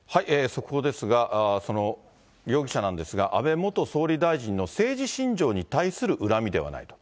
速報ですが、その容疑者なんですが、安倍元総理大臣の政治信条に対する恨みではないと。